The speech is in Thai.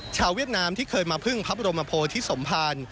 เวียดนามที่เคยมาพึ่งพระบรมโพธิสมภาร